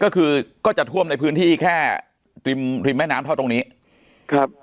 ก็คือก็จะท่วมในพื้นที่แค่ริมริมแม่น้ำเท่าตรงนี้ครับ